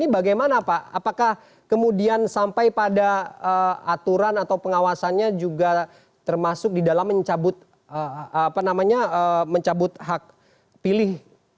bagaimana pak apakah kemudian sampai pada aturan atau pengawasannya juga termasuk di dalam mencabut apa namanya mencabut hak pilih